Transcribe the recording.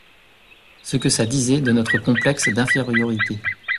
Ce que ça disait de notre complexe d’infériorité.